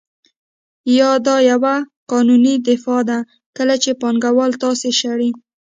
یا دا یوه قانوني دفاع ده کله چې پانګوال تاسو شړي